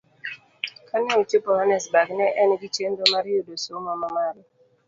Kane ochopo Hannesburg, ne en gi chenro mar yudo somo mamalo